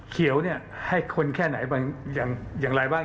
เขียวเนี่ยให้คนแค่ไหนอย่างไรบ้าง